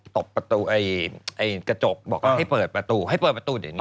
ตบประตูกระจกบอกว่าให้เปิดประตูให้เปิดประตูเดี๋ยวนี้